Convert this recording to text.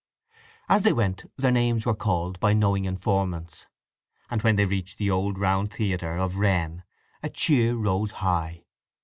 As they went their names were called by knowing informants, and when they reached the old round theatre of Wren a cheer rose high.